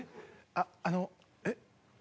あっあのえっ？